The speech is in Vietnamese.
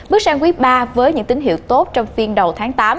bước sang quý ba với những tín hiệu tốt trong phiên đầu tháng tám